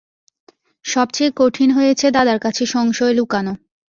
সব চেয়ে কঠিন হয়েছে দাদার কাছে সংশয় লুকোনো।